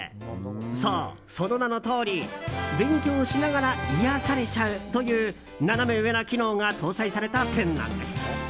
そう、その名のとおり勉強しながら癒やされちゃうというナナメ上な機能が搭載されたペンなんです。